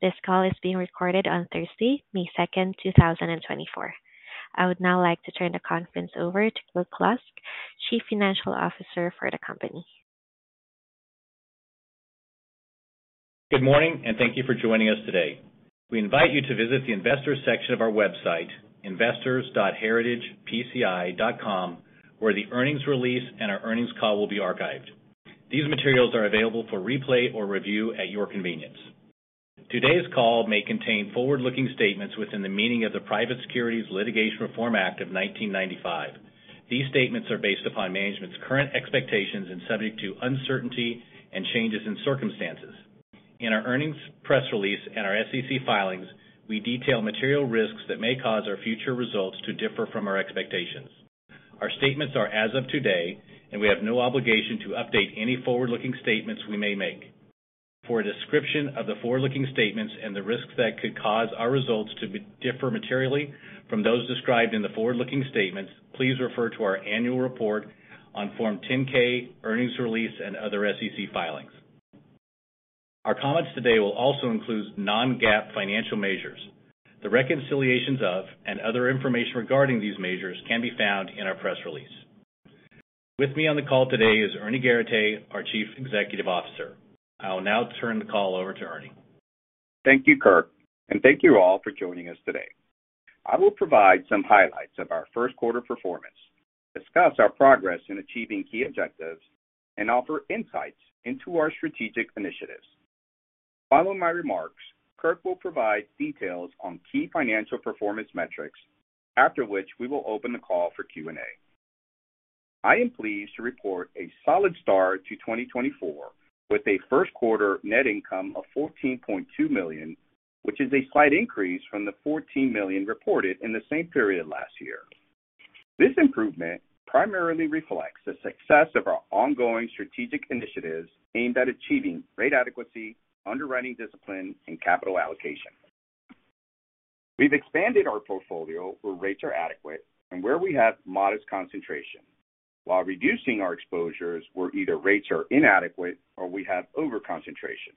This call is being recorded on Thursday, May 2, 2024. I would now like to turn the conference over to Kirk Lusk, Chief Financial Officer for the company. Good morning, and thank you for joining us today. We invite you to visit the investor section of our website, investors.heritagepci.com, where the earnings release and our earnings call will be archived. These materials are available for replay or review at your convenience. Today's call may contain forward-looking statements within the meaning of the Private Securities Litigation Reform Act of 1995. These statements are based upon management's current expectations and subject to uncertainty and changes in circumstances. In our earnings press release and our SEC filings, we detail material risks that may cause our future results to differ from our expectations. Our statements are as of today, and we have no obligation to update any forward-looking statements we may make. For a description of the forward-looking statements and the risks that could cause our results to differ materially from those described in the forward-looking statements, please refer to our annual report on Form 10-K, earnings release, and other SEC filings. Our comments today will also include non-GAAP financial measures. The reconciliations of and other information regarding these measures can be found in our press release. With me on the call today is Ernie Garateix, our Chief Executive Officer. I will now turn the call over to Ernie. Thank you, Kirk, and thank you all for joining us today. I will provide some highlights of our first quarter performance, discuss our progress in achieving key objectives, and offer insights into our strategic initiatives. Following my remarks, Kirk will provide details on key financial performance metrics, after which we will open the call for Q&A. I am pleased to report a solid start to 2024, with a first quarter net income of $14.2 million, which is a slight increase from the $14 million reported in the same period last year. This improvement primarily reflects the success of our ongoing strategic initiatives aimed at achieving rate adequacy, underwriting discipline, and capital allocation. We've expanded our portfolio where rates are adequate and where we have modest concentration, while reducing our exposures where either rates are inadequate or we have overconcentration.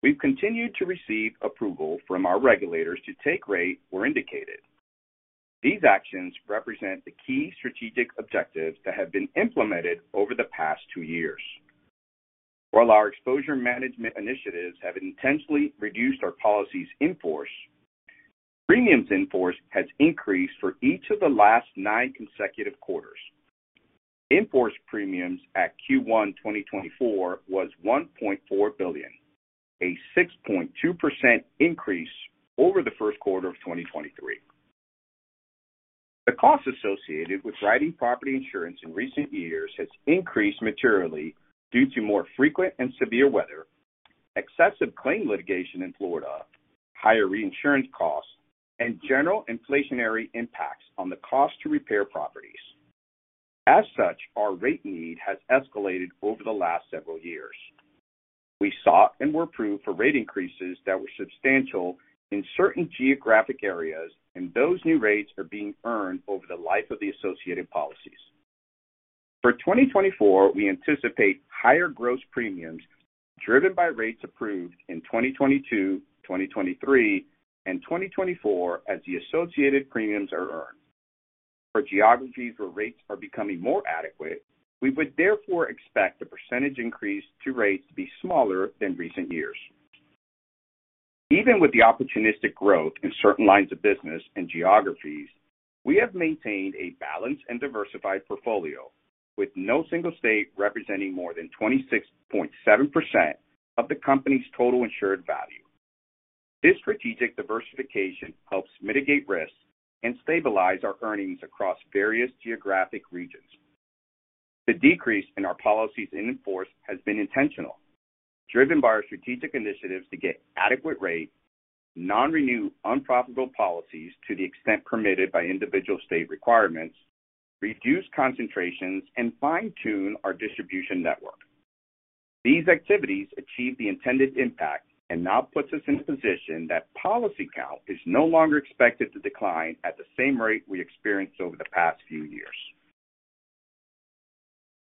We've continued to receive approval from our regulators to take rate where indicated. These actions represent the key strategic objectives that have been implemented over the past two years. While our exposure management initiatives have intentionally reduced our policies in force, premiums in force has increased for each of the last nine consecutive quarters. In-force premiums at Q1 2024 was $1.4 billion, a 6.2% increase over the first quarter of 2023. The costs associated with writing property insurance in recent years has increased materially due to more frequent and severe weather, excessive claim litigation in Florida, higher reinsurance costs, and general inflationary impacts on the cost to repair properties. As such, our rate need has escalated over the last several years. We sought and were approved for rate increases that were substantial in certain geographic areas, and those new rates are being earned over the life of the associated policies. For 2024, we anticipate higher gross premiums, driven by rates approved in 2022, 2023, and 2024, as the associated premiums are earned. For geographies where rates are becoming more adequate, we would therefore expect the percentage increase to rates to be smaller than recent years. Even with the opportunistic growth in certain lines of business and geographies, we have maintained a balanced and diversified portfolio, with no single state representing more than 26.7% of the company's total insured value. This strategic diversification helps mitigate risks and stabilize our earnings across various geographic regions. The decrease in our policies in force has been intentional, driven by our strategic initiatives to get adequate rate, non-renew unprofitable policies to the extent permitted by individual state requirements, reduce concentrations, and fine-tune our distribution network. These activities achieve the intended impact and now puts us in a position that policy count is no longer expected to decline at the same rate we experienced over the past few years.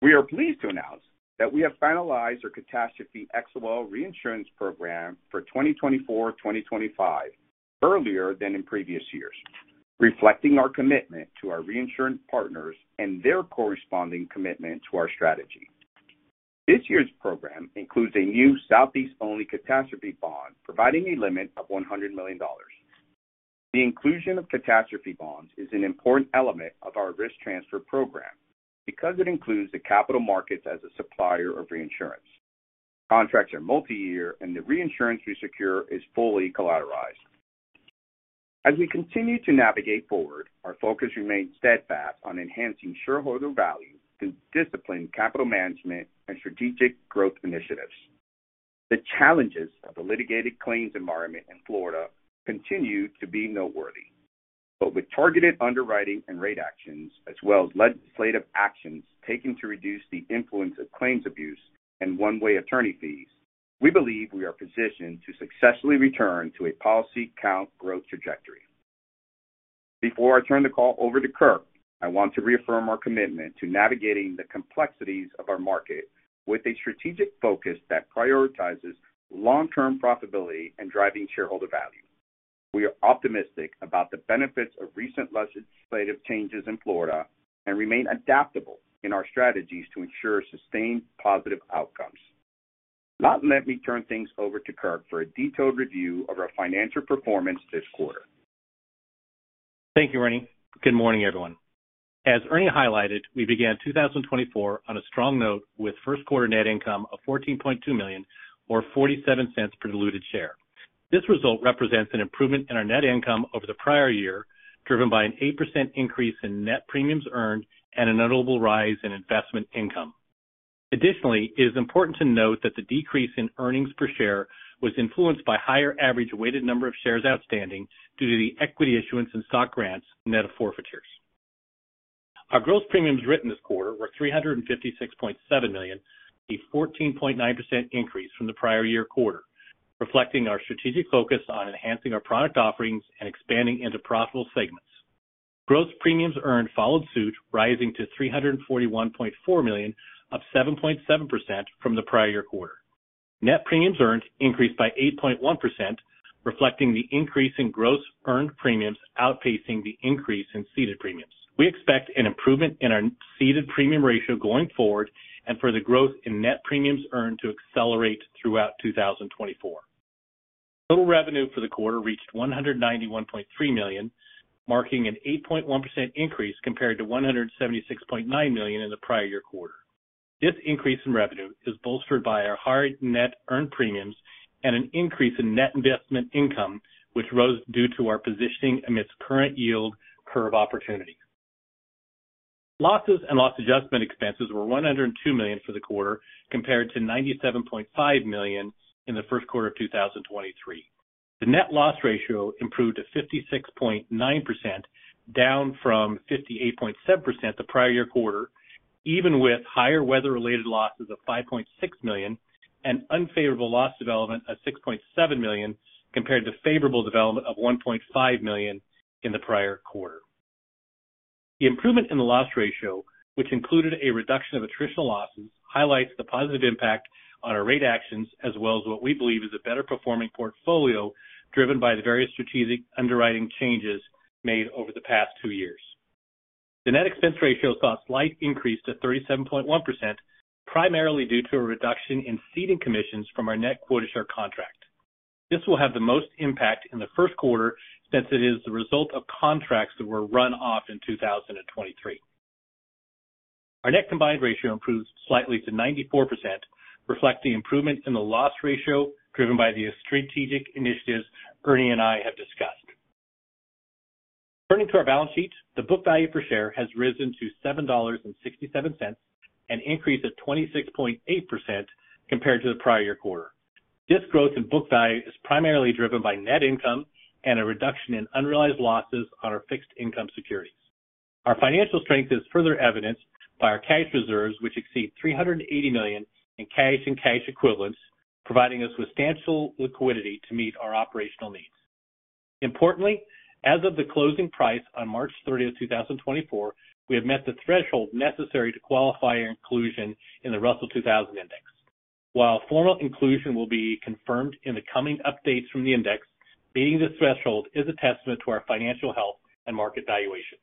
We are pleased to announce that we have finalized our catastrophe excess of loss reinsurance program for 2024, 2025, earlier than in previous years, reflecting our commitment to our reinsurance partners and their corresponding commitment to our strategy. This year's program includes a new Southeast-only catastrophe bond, providing a limit of $100 million. The inclusion of catastrophe bonds is an important element of our risk transfer program because it includes the capital markets as a supplier of reinsurance. Contracts are multi-year, and the reinsurance we secure is fully collateralized. As we continue to navigate forward, our focus remains steadfast on enhancing shareholder value through disciplined capital management and strategic growth initiatives. The challenges of the litigated claims environment in Florida continue to be noteworthy, but with targeted underwriting and rate actions, as well as legislative actions taken to reduce the influence of claims abuse and one-way attorney fees, we believe we are positioned to successfully return to a policy count growth trajectory. Before I turn the call over to Kirk, I want to reaffirm our commitment to navigating the complexities of our market with a strategic focus that prioritizes long-term profitability and driving shareholder value. We are optimistic about the benefits of recent legislative changes in Florida and remain adaptable in our strategies to ensure sustained positive outcomes. Now let me turn things over to Kirk for a detailed review of our financial performance this quarter. Thank you, Ernie. Good morning, everyone. As Ernie highlighted, we began 2024 on a strong note, with first quarter net income of $14.2 million, or $0.47 per diluted share. This result represents an improvement in our net income over the prior year, driven by an 8% increase in net premiums earned and a notable rise in investment income. Additionally, it is important to note that the decrease in earnings per share was influenced by higher average weighted number of shares outstanding due to the equity issuance and stock grants net of forfeitures. Our gross premiums written this quarter were $356.7 million, a 14.9% increase from the prior year quarter, reflecting our strategic focus on enhancing our product offerings and expanding into profitable segments. Gross premiums earned followed suit, rising to $341.4 million, up 7.7% from the prior quarter. Net premiums earned increased by 8.1%, reflecting the increase in gross earned premiums outpacing the increase in ceded premiums. We expect an improvement in our ceded premium ratio going forward and for the growth in net premiums earned to accelerate throughout 2024. Total revenue for the quarter reached $191.3 million, marking an 8.1% increase compared to $176.9 million in the prior year quarter. This increase in revenue is bolstered by our hard net earned premiums and an increase in net investment income, which rose due to our positioning amidst current yield curve opportunities. Losses and loss adjustment expenses were $102 million for the quarter, compared to $97.5 million in the first quarter of 2023. The net loss ratio improved to 56.9%, down from 58.7% the prior year quarter, even with higher weather-related losses of $5.6 million and unfavorable loss development of $6.7 million, compared to favorable development of $1.5 million in the prior quarter. The improvement in the loss ratio, which included a reduction of attritional losses, highlights the positive impact on our rate actions, as well as what we believe is a better performing portfolio, driven by the various strategic underwriting changes made over the past two years. The net expense ratio saw a slight increase to 37.1%, primarily due to a reduction in ceding commissions from our net quota share contract. This will have the most impact in the first quarter, since it is the result of contracts that were run off in 2023. Our net combined ratio improved slightly to 94%, reflecting improvements in the loss ratio driven by the strategic initiatives Ernie and I have discussed. Turning to our balance sheet, the book value per share has risen to $7.67, an increase of 26.8% compared to the prior year quarter. This growth in book value is primarily driven by net income and a reduction in unrealized losses on our fixed income securities. Our financial strength is further evidenced by our cash reserves, which exceed $380 million in cash and cash equivalents, providing us substantial liquidity to meet our operational needs. Importantly, as of the closing price on March 30, 2024, we have met the threshold necessary to qualify our inclusion in the Russell 2000 Index. While formal inclusion will be confirmed in the coming updates from the index, meeting this threshold is a testament to our financial health and market valuation.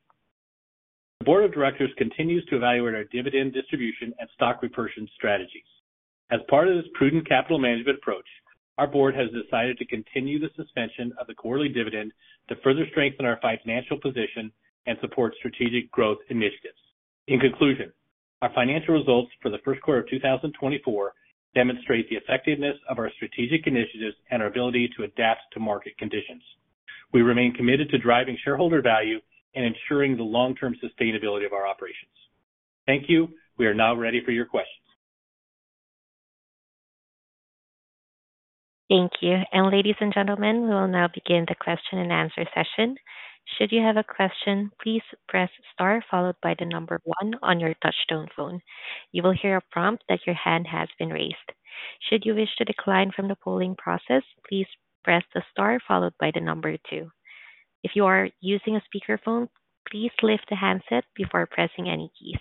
The board of directors continues to evaluate our dividend distribution and stock repurchase strategies. As part of this prudent capital management approach, our board has decided to continue the suspension of the quarterly dividend to further strengthen our financial position and support strategic growth initiatives. In conclusion, our financial results for the first quarter of 2024 demonstrate the effectiveness of our strategic initiatives and our ability to adapt to market conditions. We remain committed to driving shareholder value and ensuring the long-term sustainability of our operations. Thank you. We are now ready for your questions. Thank you. Ladies and gentlemen, we will now begin the question and answer session. Should you have a question, please press star followed by the number one on your touchtone phone. You will hear a prompt that your hand has been raised. Should you wish to decline from the polling process, please press the star followed by the number two. If you are using a speakerphone, please lift the handset before pressing any keys.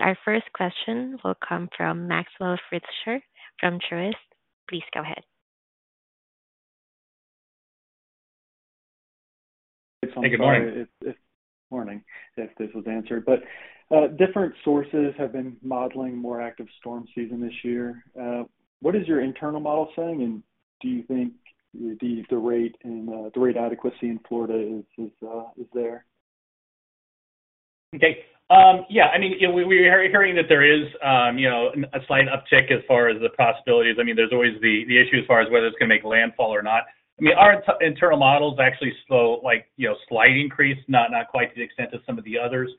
Our first question will come from Maxwell Fritscher from Truist. Please go ahead. Morning, if this was answered, but different sources have been modeling more active storm season this year. What is your internal model saying? And do you think the rate and the rate adequacy in Florida is there? Okay, yeah, I mean, we are hearing that there is, you know, a slight uptick as far as the possibilities. I mean, there's always the issue as far as whether it's going to make landfall or not. I mean, our internal models actually show, like, you know, slight increase, not quite to the extent of some of the others.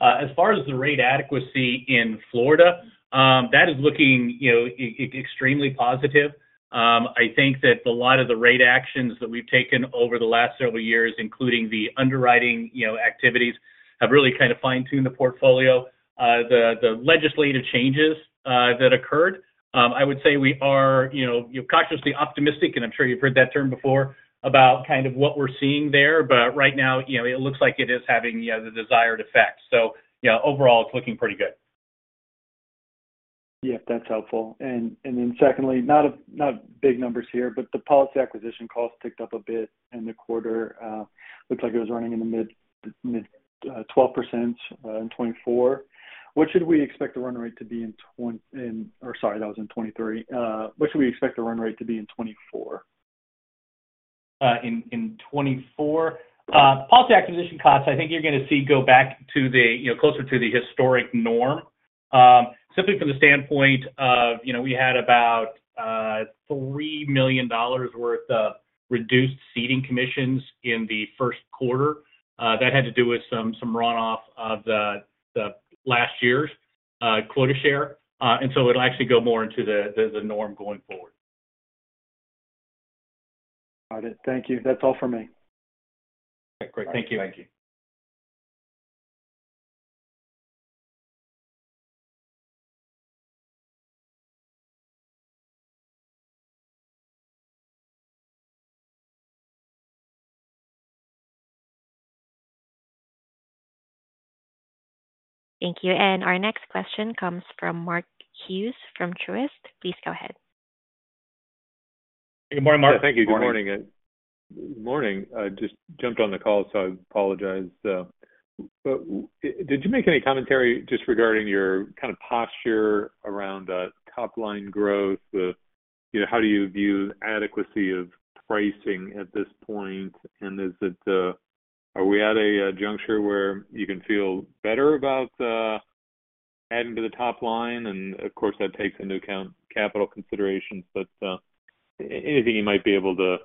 As far as the rate adequacy in Florida, that is looking, you know, extremely positive. I think that a lot of the rate actions that we've taken over the last several years, including the underwriting, you know, activities, have really kind of fine-tuned the portfolio. The legislative changes that occurred. I would say we are, you know, cautiously optimistic, and I'm sure you've heard that term before, about kind of what we're seeing there. But right now, you know, it looks like it is having the desired effect. So yeah, overall, it's looking pretty good. Yeah, that's helpful. And then secondly, not big numbers here, but the policy acquisition costs ticked up a bit in the quarter. Looks like it was running in the mid-12% in 2024. What should we expect the run rate to be in, or sorry, that was in 2023. What should we expect the run rate to be in 2024? In 2024, policy acquisition costs, I think you're going to see go back to the, you know, closer to the historic norm. Simply from the standpoint of, you know, we had about $3 million worth of reduced ceding commissions in the first quarter. That had to do with some runoff of the last year's quota share. And so it'll actually go more into the norm going forward. Got it. Thank you. That's all for me. Great. Thank you. Thank you. Thank you. Our next question comes from Mark Hughes from Truist. Please go ahead. Good morning, Mark. Thank you. Good morning. Morning. I just jumped on the call, so I apologize, but did you make any commentary just regarding your kind of posture around top-line growth? You know, how do you view adequacy of pricing at this point? And is it, are we at a juncture where you can feel better about adding to the top line? And, of course, that takes into account capital considerations, but anything you might be able to,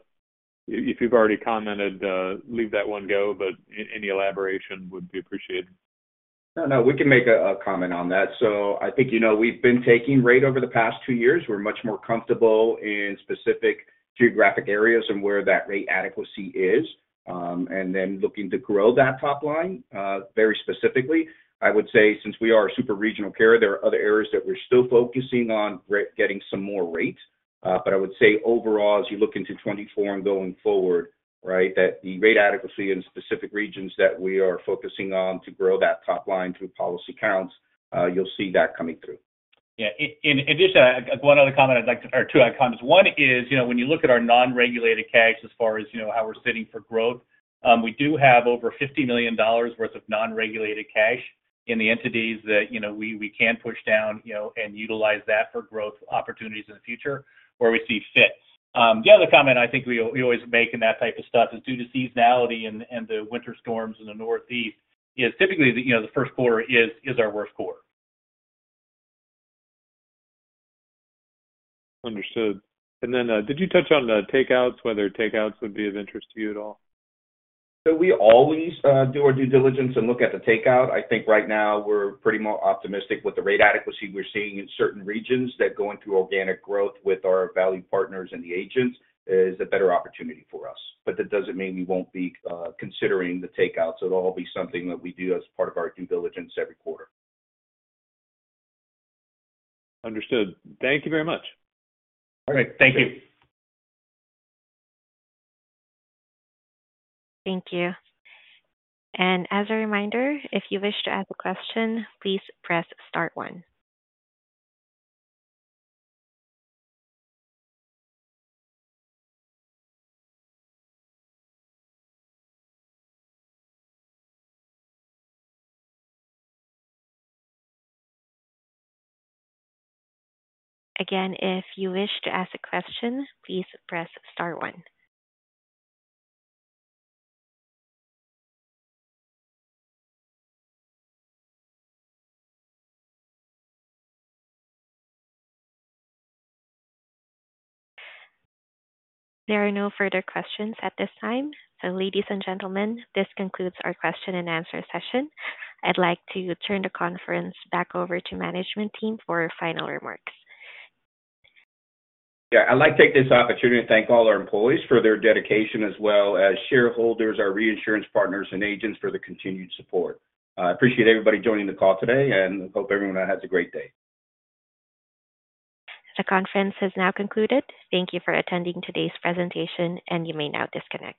if you've already commented, let that one go, but any elaboration would be appreciated. No, no, we can make a comment on that. So I think, you know, we've been taking rate over the past two years. We're much more comfortable in specific geographic areas and where that rate adequacy is, and then looking to grow that top line, very specifically. I would say, since we are a super regional carrier, there are other areas that we're still focusing on getting some more rate. But I would say overall, as you look into 2024 and going forward, right, that the rate adequacy in specific regions that we are focusing on to grow that top line through policy counts, you'll see that coming through. Yeah. In addition, one other comment I'd like to, or two comments. One is, you know, when you look at our non-regulated cash, as far as, you know, how we're sitting for growth, we do have over $50 million worth of non-regulated cash in the entities that, you know, we can push down, you know, and utilize that for growth opportunities in the future where we see fit. The other comment I think we always make in that type of stuff is due to seasonality and the winter storms in the Northeast, you know, typically, you know, the first quarter is our worst quarter. Understood. And then, did you touch on the takeouts, whether takeouts would be of interest to you at all? So we always do our due diligence and look at the takeout. I think right now we're pretty more optimistic with the rate adequacy we're seeing in certain regions that going through organic growth with our valued partners and the agents is a better opportunity for us. But that doesn't mean we won't be considering the takeouts. It'll all be something that we do as part of our due diligence every quarter. Understood. Thank you very much. All right. Thank you. Thank you. As a reminder, if you wish to ask a question, please press star one. Again, if you wish to ask a question, please press star one. There are no further questions at this time. Ladies and gentlemen, this concludes our question and answer session. I'd like to turn the conference back over to management team for final remarks. Yeah, I'd like to take this opportunity to thank all our employees for their dedication, as well as shareholders, our reinsurance partners, and agents for the continued support. I appreciate everybody joining the call today, and hope everyone has a great day. The conference has now concluded. Thank you for attending today's presentation, and you may now disconnect.